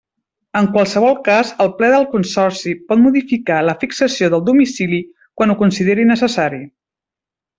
En qualsevol cas el Ple del Consorci, pot modificar la fixació del domicili quan ho consideri necessari.